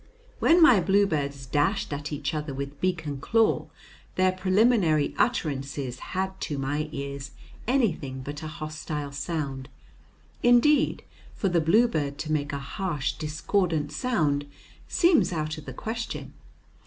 When my bluebirds dashed at each other with beak and claw, their preliminary utterances had to my ears anything but a hostile sound. Indeed, for the bluebird to make a harsh, discordant sound seems out of the question.